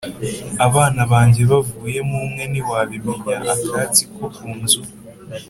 Abana banjye bavuyemo umwe ntiwabimenya-Akatsi ko ku nzu.